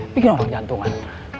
bikin orang jantungan